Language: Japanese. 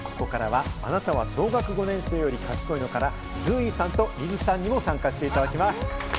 ここからは『あなたは小学５年生より賢いの？』から、るういさんとりづさんにも参加していただきます。